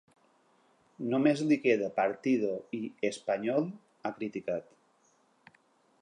Només li queda “partido” i “español”, ha criticat.